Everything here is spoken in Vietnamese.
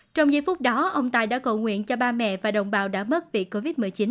trong giây phút đó ông tài đã cầu nguyện cho ba mẹ và đồng bào đã mất bị covid một mươi chín